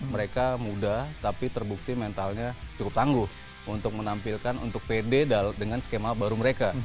mereka muda tapi terbukti mentalnya cukup tangguh untuk menampilkan untuk pede dengan skema baru mereka